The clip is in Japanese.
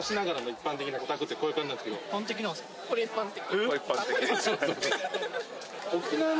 これ一般的。